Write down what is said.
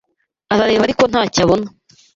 Arareba ariko ntacyo abona.